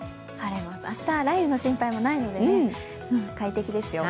明日、雷雨の心配もないので快適ですよ。